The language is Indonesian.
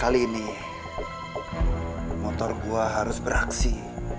kali ini motor gua harus beraksi